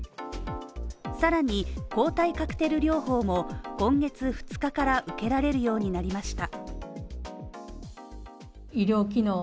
さらに抗体カクテル療法も今月２日から受けられるようになりました